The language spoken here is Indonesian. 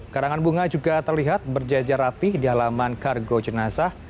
karangan bunga juga terlihat berjajar rapih di halaman kargo jenazah